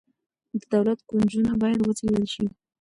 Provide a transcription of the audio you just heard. د دولت کونجونه باید وڅیړل شي.